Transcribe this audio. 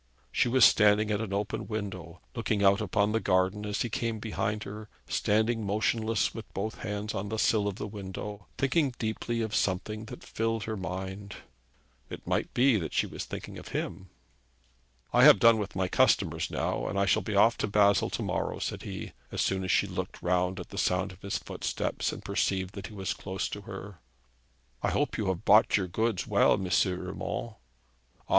She was standing at an open window, looking out upon the garden as he came behind her, standing motionless with both hands on the sill of the window, thinking deeply of something that filled her mind. It might be that she was thinking of him. 'I have done with my customers now, and I shall be off to Basle to morrow,' said he, as soon as she had looked round at the sound of his footsteps and perceived that he was close to her. 'I hope you have bought your goods well, M. Urmand.' 'Ah!